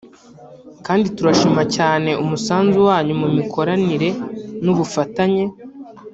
kandi turashima cyane umusanzu wanyu mu mikoranire n’ubufatanye